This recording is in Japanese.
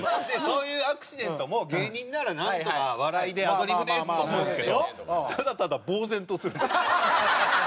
そういうアクシデントも芸人ならなんとか笑いでアドリブでと思うんですけどただただぼうぜんとするんです。